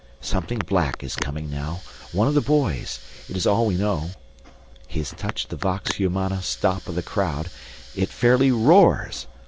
Something black is coming now, one of the boys it is all we know. He has touched the vox humana stop of the crowd; it fairly roars.